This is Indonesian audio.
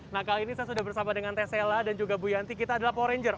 nah kali ini saya sudah bersama dengan tessella dan juga bu yanti kita adalah poranger